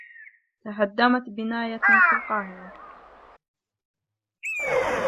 تهدّمت بناية في القاهرة.